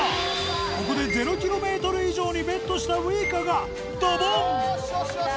ここで０ｋｍ以上にＢＥＴしたウイカがドボン！